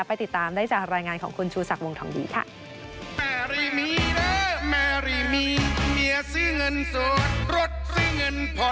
ติดตามได้จากรายงานของคุณชูศักดิ์วงทองดีค่ะ